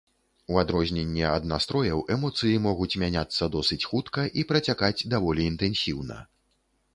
У адрозненне ад настрояў, эмоцыі могуць мяняцца досыць хутка і працякаць даволі інтэнсіўна.